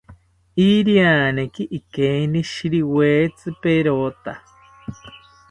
Irianeriki ikeinishiriwetzi perota